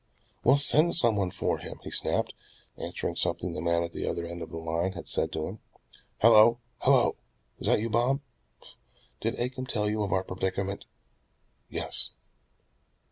Well, send some one for him," he snapped, answering something the man at the other end of the line had said to him. "Hello, hello! That you, Bob? Did Acomb tell you of our predicament? Yes.